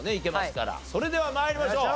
それでは参りましょう。